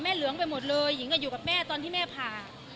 แม่เหลืองไปหมดเลยอย่างกับอยู่กับแม่ตอนที่แม่ผ่า